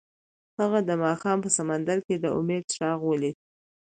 هغه د ماښام په سمندر کې د امید څراغ ولید.